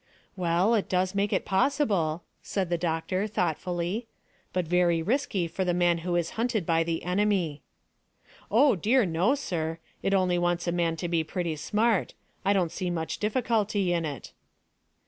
"Well, it does make it possible," said the doctor thoughtfully, "but very risky for the man who is hunted by the enemy." "Oh dear no, sir. It only wants a man to be pretty smart. I don't see much difficulty in it."